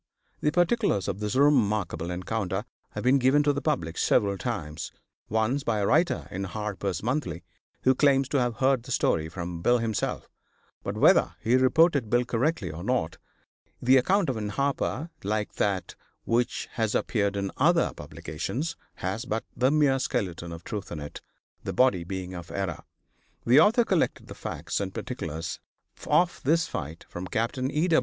The particulars of this remarkable encounter have been given to the public several times, once by a writer in Harper's Monthly, who claims to have heard the story from Bill himself, but whether he reported Bill correctly or not, the account in Harper, like that which has appeared in other publications, has but the mere skeleton of truth in it, the body being of error. The author collected the facts and particulars of this fight from Capt. E.